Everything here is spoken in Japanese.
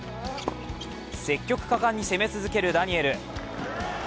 積極果敢に攻め続けるダニエル。